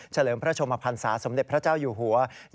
เลิมพระชมพันศาสมเด็จพระเจ้าอยู่หัว